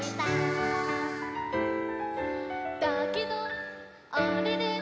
「だけどあれれ？